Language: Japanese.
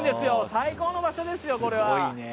最高の場所ですよ、これは。